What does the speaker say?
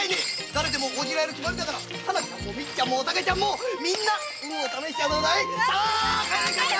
誰でも応じられる決まりだからはなちゃんもみっちゃんもおたけちゃんもみんな試しちゃわない。